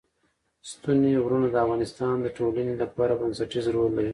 ستوني غرونه د افغانستان د ټولنې لپاره بنسټيز رول لري.